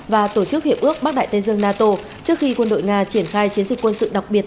và tổ chức hiệp ước bắc đại tây dương nato trước khi quân đội nga triển khai chiến dịch quân sự đặc biệt